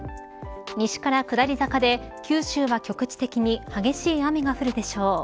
西から下り坂で、九州は局地的に激しい雨が降るでしょう。